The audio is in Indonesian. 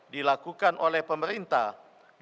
dilakukan oleh pemerintah indonesia